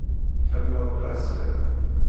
Tḥemmleḍ lɛesban?